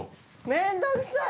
面倒くさい！